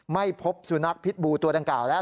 ไม่พบสุนัขพิษบูตัวดังกล่าวแล้ว